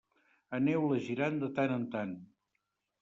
Aneu-la girant de tant en tant.